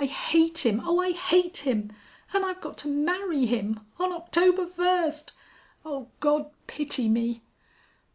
I hate him! Oh, I hate him!... And I've got to marry him on October first! Oh, God pity me!"